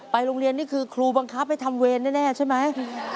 โรงเรียนนี่คือครูบังคับให้ทำเวรแน่ใช่ไหม